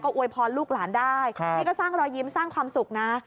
อวยพรลูกหลานได้นี่ก็สร้างรอยยิ้มสร้างความสุขนะ